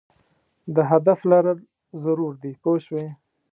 د هدف لرل ضرور دي پوه شوې!.